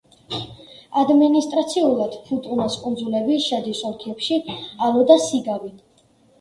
ადმინისტრაციულად ფუტუნას კუნძულები შედის ოლქებში ალო და სიგავი.